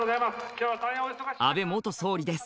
安倍元総理です。